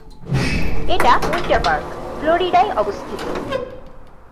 এটা Winter Park, ফ্লোরিডায় অবস্থিত।